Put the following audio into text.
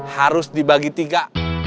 harus dibagi tiga